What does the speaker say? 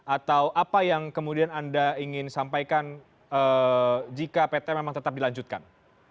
atau apa yang kemudian anda ingin sampaikan jika pt memang tetap dilanjutkan